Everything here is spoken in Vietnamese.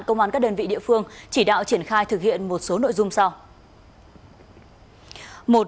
công an các đơn vị địa phương chỉ đạo triển khai thực hiện một số nội dung sau